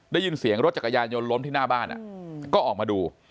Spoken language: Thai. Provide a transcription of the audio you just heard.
ได้ยินเสียงรถจักรยานยนต์ล้มที่หน้าบ้านก็ออกมาดู